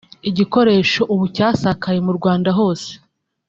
igikoresho ubu cyasakaye mu Rwanda hose